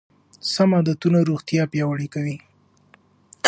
سم عادتونه روغتیا پیاوړې کوي.